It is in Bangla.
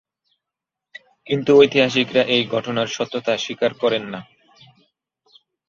কিন্তু ঐতিহাসিকরা এই ঘটনার সত্যতা স্বীকার করেন না।